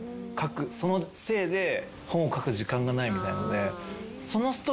そのせいで本を書く時間がないみたいので。